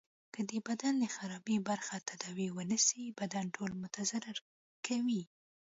که د بدن د خرابي برخی تداوي ونه سي بدن ټول متضرر کوي.